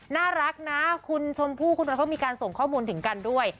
น่ารักนะคุณชมพู่คุณบอยเขามีการส่งข้อมูลถึงกันด้วย